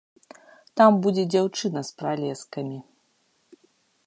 Там будзе дзяўчына з пралескамі.